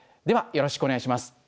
ではよろしくお願いします。